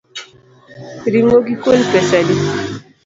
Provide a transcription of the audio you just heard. Ring’o gi kuon pesa adi?